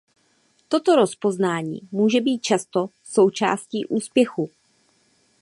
Toto rozpoznání může být často součástí úspěchu.